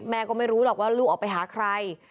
ก็ไม่รู้หรอกว่าลูกออกไปหาใคร